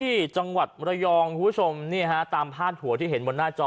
ที่จังหวัดระยองคุณผู้ชมนี่ฮะตามพาดหัวที่เห็นบนหน้าจอ